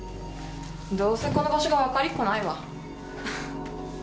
どうせこの場所がわかりっこないわフフ。